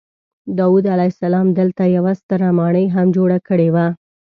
داود علیه السلام دلته یوه ستره ماڼۍ هم جوړه کړې وه.